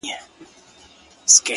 نو ژوند وي دغسي مفت يې در واخله خدایه!